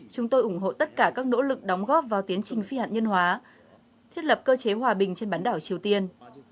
chúng tôi ủng hộ tất cả các nỗ lực đóng góp vào tiến trình phi hạt nhân hóa thiết lập cơ chế hòa bình trên bán đảo triều tiên